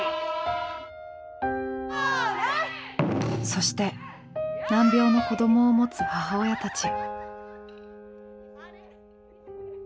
そして難病の子供をもつ母親たち。